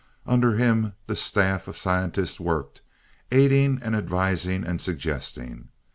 Under him, the staff of scientists worked, aiding and advising and suggesting.